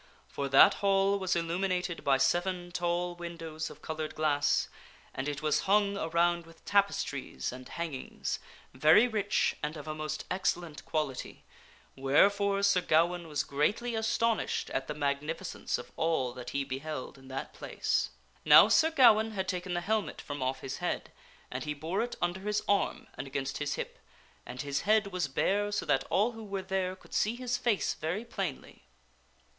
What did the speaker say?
For that hall was illuminated by seven tall windows of colored sirGawaine glass, and it was hung around with tapestries and hangings, enttrcth Grant very rich and of a most excellent quality, wherefore Sir Ga waine was greatly astonished at the magnificence of all that he beheld in that place. Now, Sir Gawaine had taken the helmet from off his head, and he bore it under his arm and against his hip, and his head was bare so that all who were there could see his face very plainly.